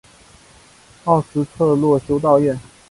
奥斯特洛修道院。